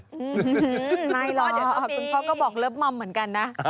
ไม่หรอกเดี๋ยวคุณพ่อก็บอกเลิฟมัมเหมือนกันนะ